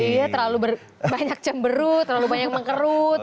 iya terlalu banyak cemberut terlalu banyak mengkerut